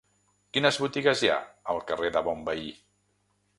Quines botigues hi ha al carrer de Bonveí?